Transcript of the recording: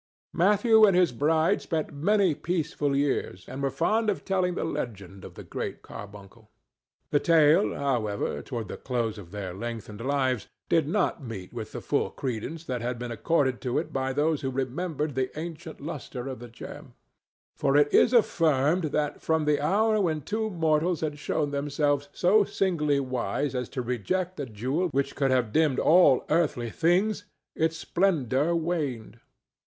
Matthew and his bride spent many peaceful years and were fond of telling the legend of the Great Carbuncle. The tale, however, toward the close of their lengthened lives, did not meet with the full credence that had been accorded to it by those who remembered the ancient lustre of the gem. For it is affirmed that from the hour when two mortals had shown themselves so simply wise as to reject a jewel which would have dimmed all earthly things its splendor waned.